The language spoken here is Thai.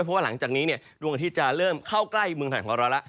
เพราะว่าหลังจากนี้ดวงอาทิตย์จะเริ่มเข้าใกล้เมืองไทยของเราแล้ว